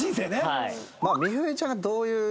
はい。